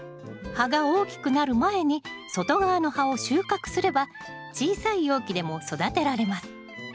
葉が大きくなる前に外側の葉を収穫すれば小さい容器でも育てられます。